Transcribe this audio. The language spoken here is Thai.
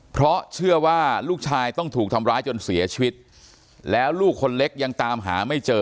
เพราะเชื่อว่าลูกชายต้องถูกทำร้ายจนเสียชีวิตแล้วลูกคนเล็กยังตามหาไม่เจอ